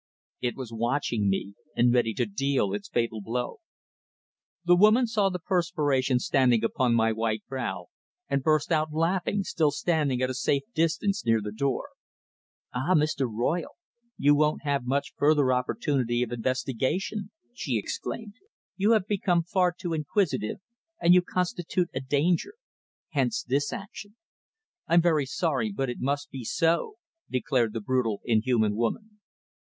It was watching me and ready to deal its fatal blow. The woman saw the perspiration standing upon my white brow, and burst out laughing, still standing at a safe distance near the door. "Ah! Mr. Royle, you won't have much further opportunity of investigation," she exclaimed. "You have become far too inquisitive, and you constitute a danger hence this action. I'm very sorry, but it must be so," declared the brutal, inhuman woman.